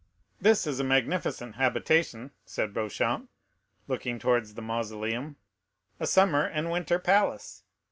"This is a magnificent habitation," said Beauchamp, looking towards the mausoleum; "a summer and winter palace.